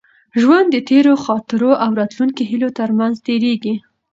ژوند د تېرو خاطرو او راتلونکو هیلو تر منځ تېرېږي.